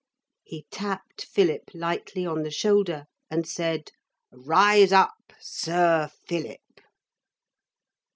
He tapped Philip lightly on the shoulder and said, 'Rise up, Sir Philip!'